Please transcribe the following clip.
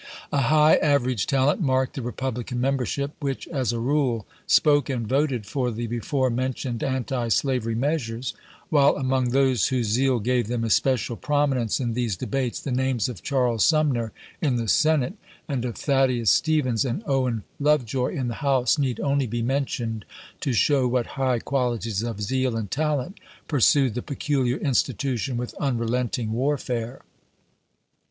A high average talent marked the Republican membership, which, as a rule, spoke and voted for the before mentioned antislavery measures ; while among those whose zeal gave them especial prominence in SIGNS OF THE TIMES 107 these debates, the names of Charles Sumner in the chap. v. Senate and of Thaddeus Stevens and Owen Love joy in the House need only be mentioned to show what high qualities of zeal and talent piu'sued the peculiar institution with unrelenting warfare.